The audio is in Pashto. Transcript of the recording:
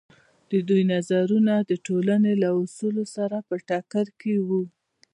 د دوی نظرونه د ټولنې له اصولو سره په ټکر کې وو.